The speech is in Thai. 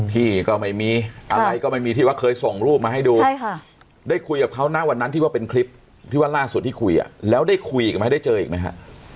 พี่ก็ไม่มีอะไรก็ไม่มีที่ว่าเคยส่งรูปมาให้ดูใช่ค่ะได้คุยกับเขานะวันนั้นที่ว่าเป็นคลิปที่ว่าล่าสุดที่คุยอ่ะแล้วได้คุยอีกไหมได้เจออีกไหมฮะ